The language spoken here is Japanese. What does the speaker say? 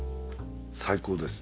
最高ですね。